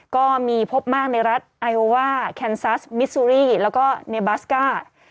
ก็มีพบมากในรัฐไอโอว่าแคนซัสมิซูรีแล้วก็เนบาสก้า